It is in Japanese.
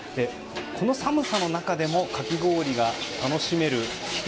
この寒さの中でもかき氷が楽しめる秘訣